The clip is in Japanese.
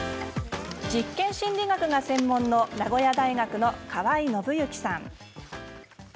実験心理学が専門の名古屋大学の川合伸幸さん。